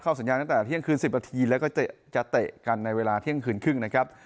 สัญญาณตั้งแต่เที่ยงคืน๑๐นาทีแล้วก็จะเตะกันในเวลาเที่ยงคืนครึ่งนะครับ